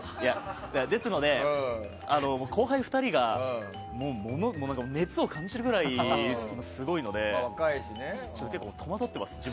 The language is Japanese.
ですので、後輩２人が熱を感じるぐらいすごいので、戸惑ってます。